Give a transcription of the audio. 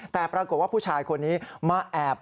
แต่ปรากฏว่าผู้ชายคนนี้มาแอบ